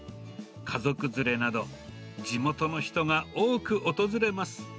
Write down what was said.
家族連れなど、地元の人が多く訪れます。